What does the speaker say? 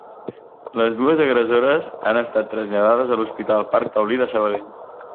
Les dues agressores han estat traslladades a l'Hospital Parc Taulí de Sabadell.